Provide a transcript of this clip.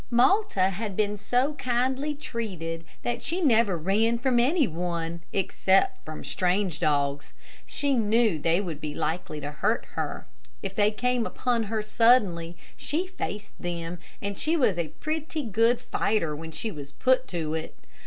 Malta had been so kindly treated that she never ran from any one, except from strange dogs. She knew they would be likely to hurt her. If they came upon her suddenly, she faced them, and she was a pretty good fighter when she was put to it.